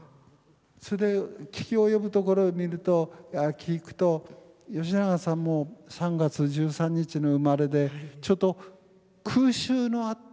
それで聞き及ぶところ聞くと吉永さんも３月１３日の生まれでちょうど空襲のあった。